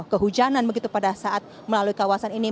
kehujanan begitu pada saat melalui kawasan ini